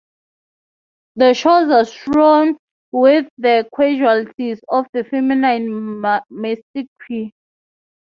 The shores are strewn with the casualties of the feminine mystique.